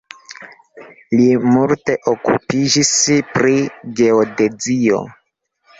Li multe okupiĝis pri geodezio.